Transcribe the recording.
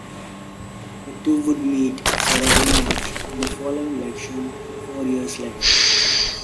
The two would meet for a rematch in the following election four years later.